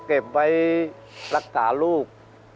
เก็บไว้รักษาลูก